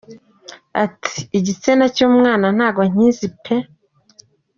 Ati “Igitsina cy’umwana ntabwo nkizi pe”.